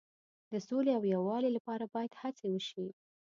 د سولې او یووالي لپاره باید هڅې وشي.